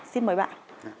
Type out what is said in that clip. xin mời bạn